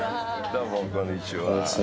どうもこんにちは。